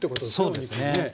そうですねえ。